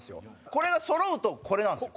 これがそろうとこれなんですよ。